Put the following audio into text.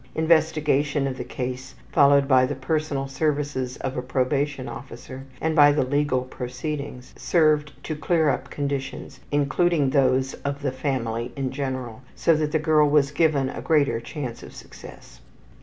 Investigation of the case, followed by the personal services of a probation officer and by the legal proceedings, served to clear up conditions, including those of the family in general, so that the girl was given a greater chance for success.